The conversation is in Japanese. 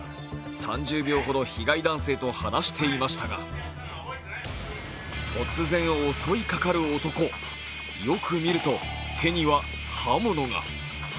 ３０秒ほど被害男性と話していましたが突然襲いかかる男、よく見ると、手には刃物が。